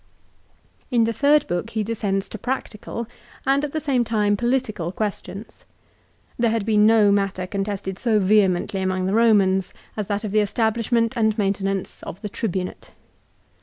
In the third book he descends to practical and at the same time political questions. There had been no matter contested so vehemently among Romans as that of the establishment and maintenance of the Tribunate.